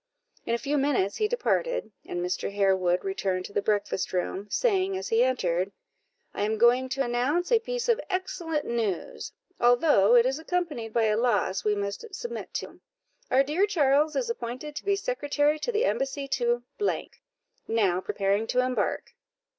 In a few minutes he departed, and Mr. Harewood returned to the breakfast room, saying as he entered "I am going to announce a piece of excellent news, although it is accompanied by a loss we must submit to; our dear Charles is appointed to be secretary to the embassy to , now preparing to embark."